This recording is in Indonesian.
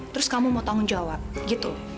terus kamu mau tanggung jawab gitu